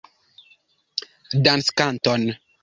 Danckanton!